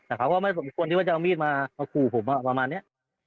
แต่เขาก็ไม่สมควรที่ว่าจะเอามีดมามาขู่ผมประมาณนี้